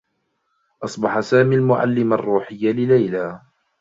أصبح سامي المعلّم الرّوحي لليلى.